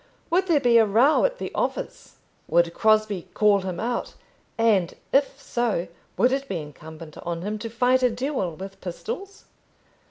Would there be a row at the office? Would Crosbie call him out, and, if so, would it be incumbent on him to fight a duel with pistols?